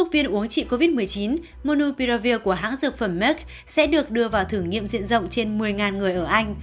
dịch covid một mươi chín monopiravir của hãng dược phẩm merck sẽ được đưa vào thử nghiệm diện rộng trên một mươi người ở anh